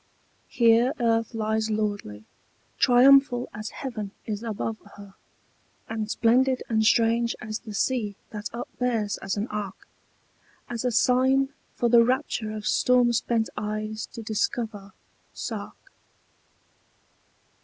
Here earth lies lordly, triumphal as heaven is above her, And splendid and strange as the sea that upbears as an ark, As a sign for the rapture of storm spent eyes to discover, Sark.